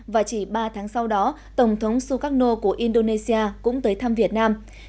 và chỉ ba tháng sau đó tổng thống sukarno của indonesia cũng tới thăm việt nam